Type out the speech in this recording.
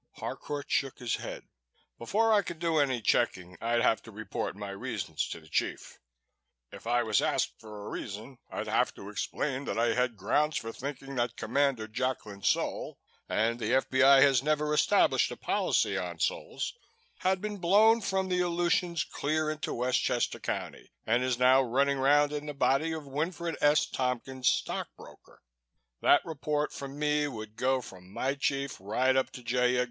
Harcourt shook his head. "Before I could do any checking, I'd have to report my reasons to the chief. If I was asked for a reason, I'd have to explain that I had grounds for thinking that Commander Jacklin's soul and the F.B.I. has never established a policy on souls had been blown from the Aleutians clear into Westchester County and is now running round in the body of Winfred S. Tompkins, stock broker. That report from me would go from my chief right up to J.